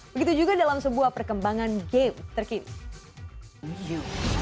begitu juga dalam sebuah perkembangan game terkini